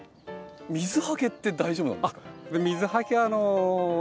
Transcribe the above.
水はけって大丈夫なんですか？